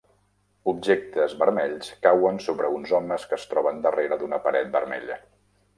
Objectes vermells cauen sobre uns homes que es troben darrere d'una paret vermella.